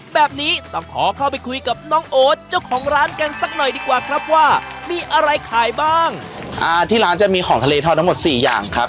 แบบนี้ต้องขอเข้าไปคุยกับน้องโอ๊ตเจ้าของร้านกันสักหน่อยดีกว่าครับว่ามีอะไรขายบ้างอ่าที่ร้านจะมีของทะเลทอดทั้งหมดสี่อย่างครับ